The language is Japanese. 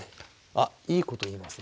あっいいこと言いますね。